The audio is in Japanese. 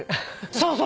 そうそう。